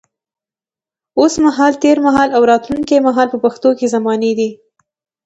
اوس مهال، تېر مهال او راتلونکي مهال په پښتو کې زمانې دي.